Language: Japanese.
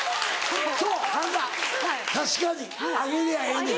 そう神田確かにあげりゃええねん。